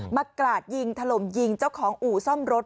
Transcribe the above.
กราดยิงถล่มยิงเจ้าของอู่ซ่อมรถ